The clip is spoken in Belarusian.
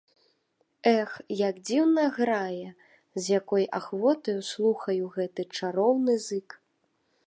Эх, як дзіўна грае, з якою ахвотаю слухаю гэты чароўны зык!